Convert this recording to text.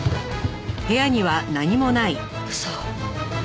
嘘。